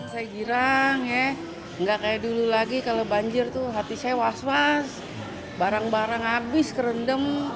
saya girang ya nggak kayak dulu lagi kalau banjir tuh hati saya was was barang barang habis kerendam